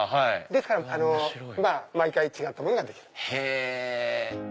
ですから毎回違ったものができる。